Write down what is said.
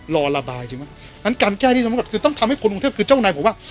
รอระบายใช่ไหมงั้นการแก้นี่สำคัญคือต้องทำให้คนกรุงเทพคือเจ้านายบอกว่า